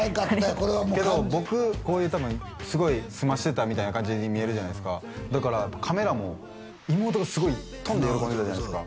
これはけど僕こういう多分すごいすましてたみたいな感じに見えるじゃないっすかだからカメラも妹がすごいとんで喜んでたじゃないっすか